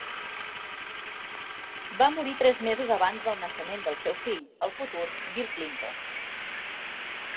Va morir tres mesos abans del naixement del seu fill, el futur Bill Clinton.